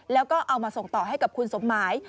แล้วก็เอามาส่งต่อให้กับคุณสมหมาย